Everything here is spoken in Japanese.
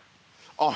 あっ！